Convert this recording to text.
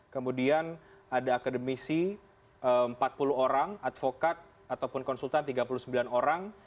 kemudian ada akademisi empat puluh orang advokat ataupun konsultan tiga puluh sembilan orang